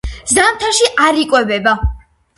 ზამთარში არ იკვებება.